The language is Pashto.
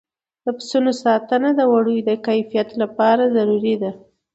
د پسونو ساتنه د وړیو د کیفیت لپاره ضروري ده.